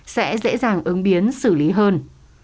sẽ dễ dàng ứng biến xử lý hơn